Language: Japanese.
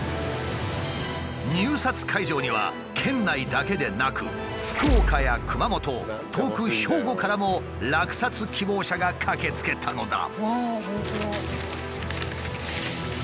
入札会場には県内だけでなく福岡や熊本遠く兵庫からも落札希望者が駆けつけたのだ。